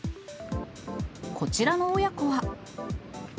こちらの親子は。